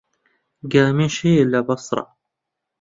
گامێش هەیە لە بەسڕە.